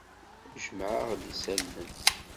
Jemmεeɣ-d isallen.